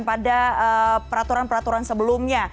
pada peraturan peraturan sebelumnya